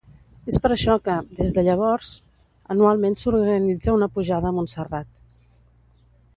És per això que, des de llavors, anualment s'organitza una pujada a Montserrat.